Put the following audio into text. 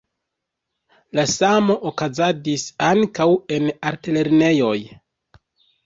La samo okazadis ankaŭ en altlernejoj.